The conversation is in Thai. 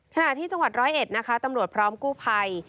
ขณะที่จังหวัดร้อยเอ็ดนะคะตำรวจพร้อมกู้ภัย